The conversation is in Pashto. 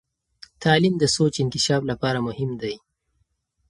تعلیم د سوچ انکشاف لپاره مهم دی.